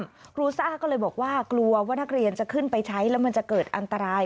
ครูซ่าก็เลยบอกว่ากลัวว่านักเรียนจะขึ้นไปใช้แล้วมันจะเกิดอันตราย